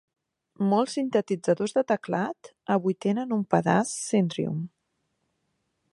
Molts sintetitzadors de teclat avui tenen un pedaç Syndrum.